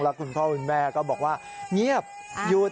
คุณพ่อคุณแม่ก็บอกว่าเงียบหยุด